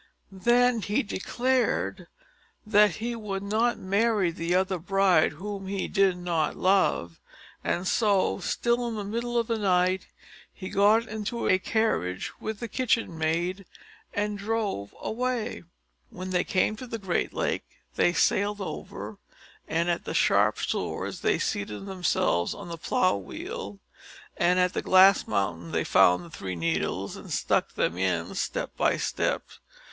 Then he declared he would not marry the other bride, whom he did not love; and so, still in the middle of the night, he got into a carriage with the kitchen maid, and drove away. When they came to the great lake, they sailed over; and at the three sharp swords, they seated themselves on the plough wheel; and at the glass mountain, they found the three needles, and stuck them in step by step.